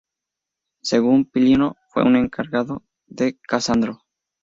Según Plinio fue un encargo de Casandro.